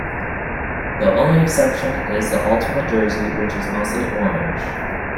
The only exception is the alternate jersey, which is mostly orange.